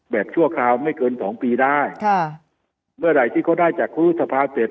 ชั่วคราวไม่เกินสองปีได้ค่ะเมื่อไหร่ที่เขาได้จากครูสภาเสร็จ